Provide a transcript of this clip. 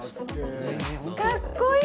かっこいい！